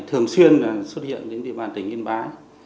thường xuyên xuất hiện đến địa bàn tỉnh yên bái